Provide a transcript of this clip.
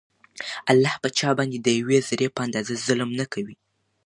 الله په چا باندي د يوې ذري په اندازه ظلم نکوي